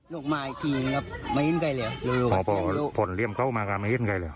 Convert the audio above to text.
ลงมาอีกทีนะครับไม่เห็นใครเลยเร็วพอผลเหลี่ยมเขามาก็ไม่เห็นใครเลยเห